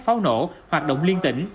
pháo nổ hoạt động liên tỉnh